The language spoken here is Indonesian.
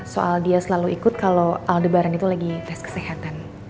soal dia selalu ikut kalau aldebaran itu lagi tes kesehatan